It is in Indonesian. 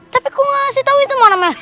tapi kok ngasih tau itu mau namanya